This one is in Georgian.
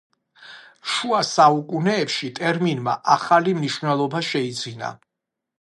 შუა საუკუნეებში ტერმინმა ახალი მნიშვნელობა შეიძინა.